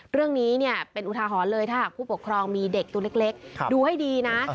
เรื่องนี้เนี่ยเป็นอุทาหรณ์เลยถ้าหากผู้ปกครองมีเด็กตัวเล็กดูให้ดีนะ